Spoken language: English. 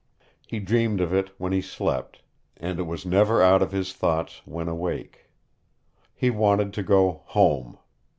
He dreamed of it when he slept, and it was never out of his thoughts when awake. He wanted to go HOME.